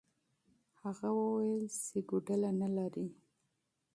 هغه وویل چې کوډله نه لري.